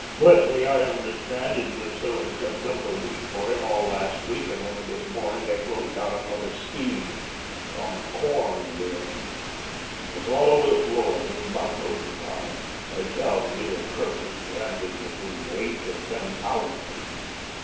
Gretry, I understand, has been selling September wheat for him all last week, and only this morning they closed out another scheme some corn game. It was all over the Floor just about closing time. They tell me that Curtis landed between eight and ten thousand.